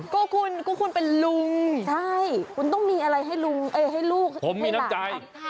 ก็คุณคุณเป็นลุงใช่คุณต้องมีอะไรให้ลูกผมมีนักใจ